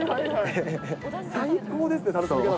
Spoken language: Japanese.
最高ですね。